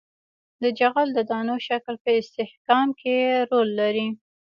د جغل د دانو شکل په استحکام کې رول لري